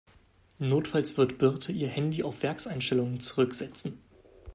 Notfalls wird Birte ihr Handy auf Werkseinstellungen zurücksetzen.